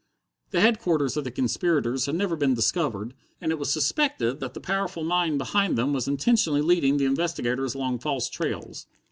The headquarters of the conspirators had never been discovered, and it was suspected that the powerful mind behind them was intentionally leading the investigators along false trails.